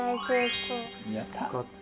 やった。